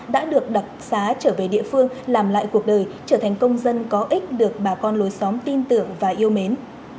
đã được đặc xá trở về địa phương làm lại cuộc đời trở thành công dân có ích được bà con lối xóm tin tưởng và yêu mến